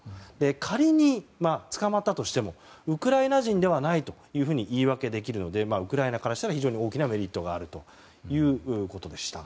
仮に捕まったとしてもウクライナ人ではないと言い訳できるのでウクライナからしたら非常に大きなメリットがあるということでした。